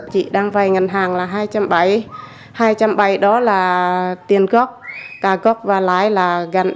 chị đang vay ngân hàng là hai trăm bảy mươi hai trăm bảy mươi đó là tiền gốc cả gốc và lái là gần ba trăm linh